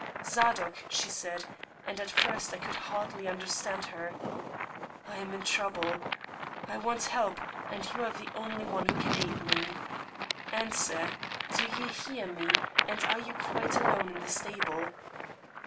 "Zadok," she said and at first I could hardly understand her, "I am in trouble; I want help, and you are the only one who can aid me. Answer; do you hear me and are you quite alone in the stable?"